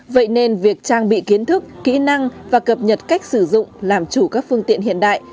vậy nên việc trang bị kiến thức kỹ năng và cập nhật cách sử dụng làm chủ các phương tiện hiện đại